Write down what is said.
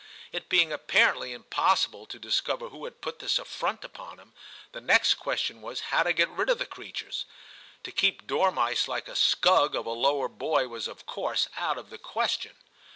It being apparently impossible to discover who had put this affront upon him, the next question was how to get rid of the creatures. To keep dormice like a scug of a lower boy was of course out of the question.